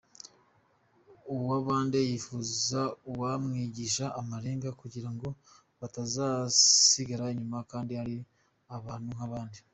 Uwabande yifuza uwamwigisha amarenga kugira ngo batazasigara inyuma kandi ari abantu nk’abandi.